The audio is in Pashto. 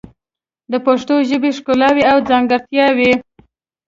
د پښتو ژبې ښکلاوې او ځانګړتیاوې